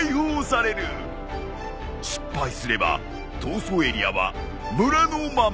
失敗すれば逃走エリアは村のまま。